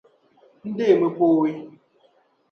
N deemi pooi.